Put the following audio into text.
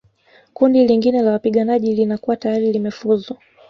Kundi lingine la wapiganaji linakuwa tayari limefuzu